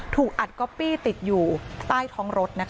ถูกอัดก๊อปปี้ติดอยู่ใต้ท้องรถ